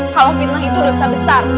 kalau fitnah itu dosa besar